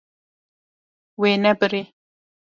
Wê nebirî.